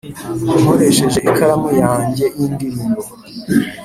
nkoresheje ikaramu yanjye yindirimbo